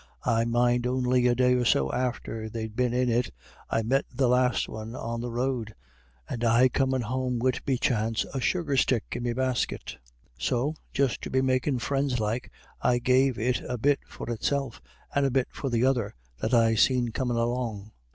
I mind on'y a day or so after they'd been in it, I met the laste one on the road, and I comin' home wid be chance a sugarstick in me basket. So, just to be makin' friends like, I gave it a bit for itself, and a bit for the other that I seen comin' along.